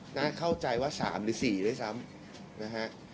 น่าเข้าใจว่า๓หรือ๔ด้วยซ้ำนะฮะ